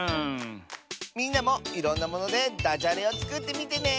みんなもいろんなものでダジャレをつくってみてね。